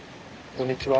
こんにちは。